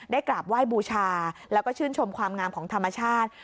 กราบไหว้บูชาแล้วก็ชื่นชมความงามของธรรมชาติ